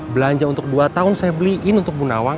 belanja untuk dua tahun saya beliin untuk bu nawang